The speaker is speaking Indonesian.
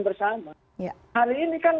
bersama hari ini kan